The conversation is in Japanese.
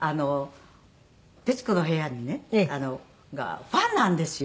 『徹子の部屋』がファンなんですよ。